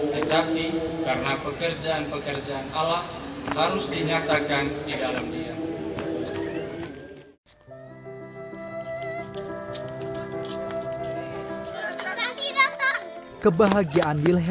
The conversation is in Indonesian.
tetapi karena pekerjaan pekerjaan alat harus dinyatakan di dalam dia